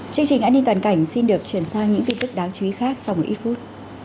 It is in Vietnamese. chương trình an ninh toàn cảnh xin được chuyển sang những tin tức đáng chú ý khác sau một ít phút